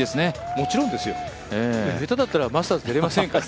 もちろんですよ、下手だったらマスターズ出れませんから。